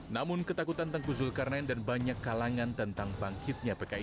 namun ketakutan tengku zulkarnain dan banyak kalangan tentang bangkitnya pki